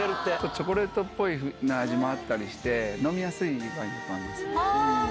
チョコレートっぽい味もあったりして、飲みやすいワインなんあー。